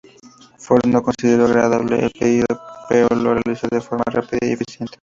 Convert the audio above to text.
Ford no consideró agradable el pedido, pero lo realizó de forma rápida y eficiente.